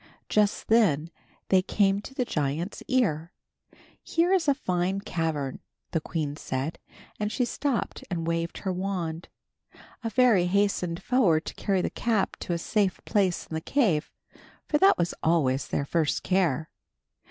Just then they came to the giant's ear. "Here is a fine cavern," the queen said, and she stopped and waved her wand. A fairy hastened forward to carry the cap to a safe place in the cave, for that was always their first care.